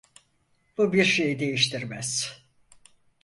Bu bir şeyi değiştirmez.